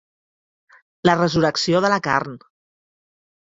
La resurrecció de la carn.